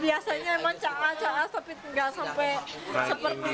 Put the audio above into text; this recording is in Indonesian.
biasanya memang caat caat tapi tidak sampai seperti ini